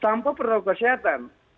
tanpa perlengkapan kesehatan